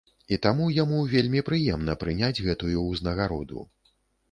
І таму яму вельмі прыемна прыняць гэтую ўзнагароду.